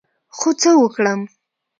خو څه وکړم،